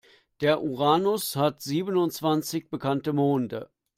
Der Uranus hat siebenundzwanzig bekannte Monde.